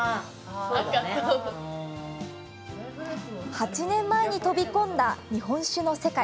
８年前に飛び込んだ日本酒の世界。